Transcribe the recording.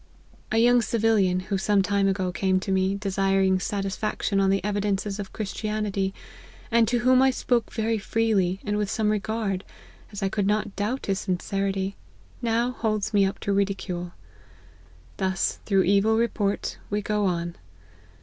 " A young civilian, who some time ago came to me desiring satisfaction on the evidences of Chris tianity, and to whom I spoke very freely, and with some regard, as I could not doubt his sincerity, now holds me up to ridicule. Thus, through evil report, we go on.